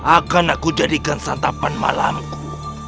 akan aku jadikan santapan malamku